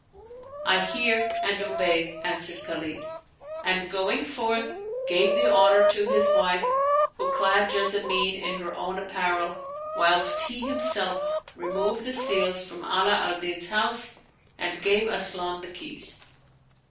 " I hear and obey," answered Khalid ; and, going forth, gave the order to his wife who clad Jessamine in her own apparel, whilst he himself removed the seals from Ala al Din's house and gave Asian the keys.